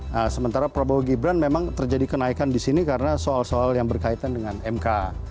nah sementara prabowo gibran memang terjadi kenaikan di sini karena soal soal yang berkaitan dengan mk